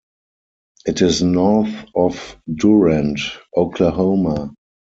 It is north of Durant, Oklahoma.